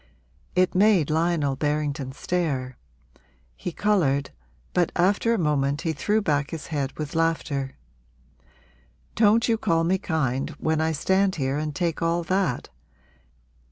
It made Lionel Berrington stare; he coloured, but after a moment he threw back his head with laughter. 'Don't you call me kind when I stand here and take all that?